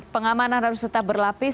pengamanan harus tetap berlapis